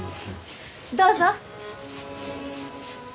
どうぞ！